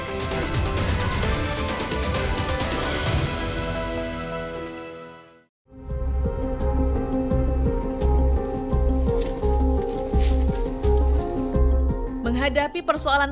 atau menelabut hati pembawa seseorang